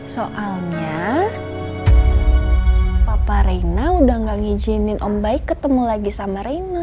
soalnya papa reina udah gak ngizinin om baik ketemu lagi sama reina